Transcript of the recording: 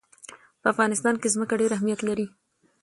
په افغانستان کې ځمکه ډېر اهمیت لري.